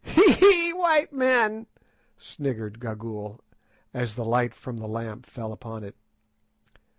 _ "Hee! hee! white men," sniggered Gagool, as the light from the lamp fell upon it.